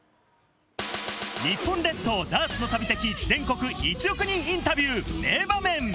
日本列島ダーツの旅的全国１億人インタビュー、名場面。